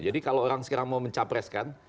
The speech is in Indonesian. jadi kalau orang sekarang mau mencapreskan